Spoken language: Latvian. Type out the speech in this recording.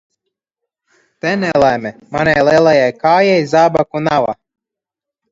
Te nelaime – manai lielai kājai zābaku nava.